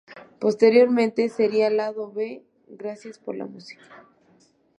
Posteriormente sería lado B de "Gracias por la música".